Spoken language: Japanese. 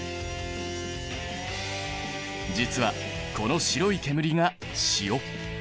実はこの白い煙が塩。